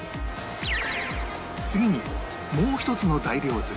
次にもう一つの材料作り